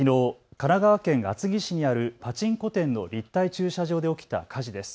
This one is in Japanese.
神奈川県厚木市にあるパチンコ店の立体駐車場で起きた火事です。